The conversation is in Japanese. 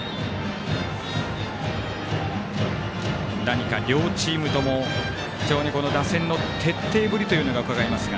何か両チームとも打線の徹底ぶりというのが伺えますが。